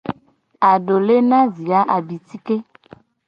Adole na vi a abitike.